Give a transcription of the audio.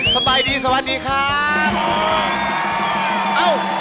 สบายดีสวัสดีครับ